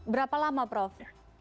berapa lama prof